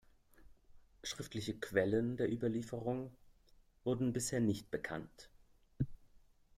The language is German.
Schriftliche Quellen der Überlieferung wurden bisher nicht bekannt.